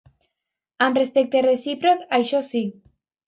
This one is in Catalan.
Amb respecte recíproc, això sí.